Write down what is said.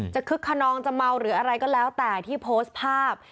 คึกขนองจะเมาหรืออะไรก็แล้วแต่ที่โพสต์ภาพ